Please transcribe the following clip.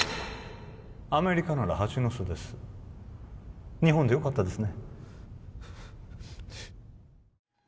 アメリカならハチの巣です日本でよかったですね